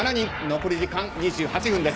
残り時間２８分です。